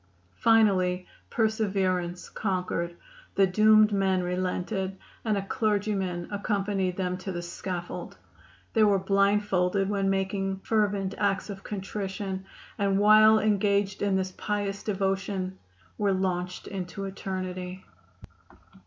Finally perseverance conquered. The doomed men relented, and a clergyman accompanied them to the scaffold. They were blindfolded when making fervent acts of contrition, and while engaged in this pious devotion were launched into eternity.